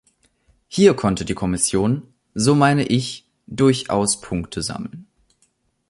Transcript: Hier konnte die Kommission, so meine ich, durchaus Punkte sammeln.